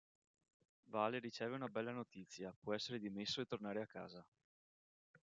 Vale riceve una bella notizia: può essere dimesso e tornare a casa.